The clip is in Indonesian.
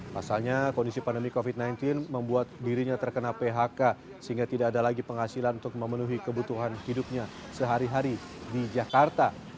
pasalnya kondisi pandemi covid sembilan belas membuat dirinya terkena phk sehingga tidak ada lagi penghasilan untuk memenuhi kebutuhan hidupnya sehari hari di jakarta